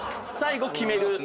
最後決める。